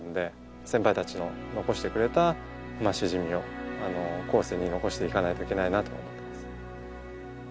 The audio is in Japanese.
先輩たちの残してくれたしじみを後世に残していかないといけないなと思ってます。